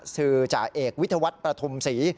ซื้อจ่าเอกวิทยาวัตรประธุมศรี